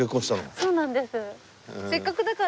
そうなんです。